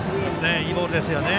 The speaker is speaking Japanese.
いいボールですよね。